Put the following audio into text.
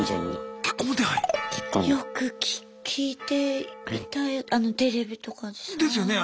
よく聞いていたテレビとかでさ。ですよね。